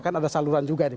kan ada saluran juga nih